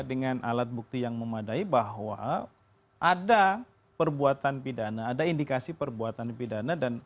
dengan alat bukti yang memadai bahwa ada perbuatan pidana ada indikasi perbuatan pidana dan